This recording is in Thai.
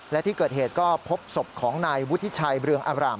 และที่เกิดเหตุก็พบศพของนายวุฒิชัยเรืองอาบราม